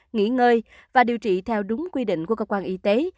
nghỉ ngơi và điều trị theo đúng quy định của cơ quan y tế